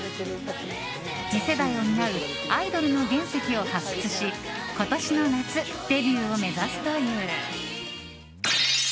次世代を担うアイドルの原石を発掘し今年の夏デビューを目指すという。